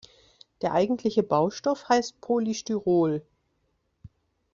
Der eigentliche Baustoff heißt Polystyrol.